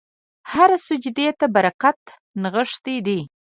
هره سجدې ته برکتونه نغښتي دي.